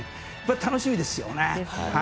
楽しみですよね。